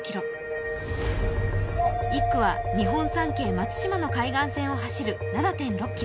１区は日本三景・松島の海岸線を走る７．６ｋｍ。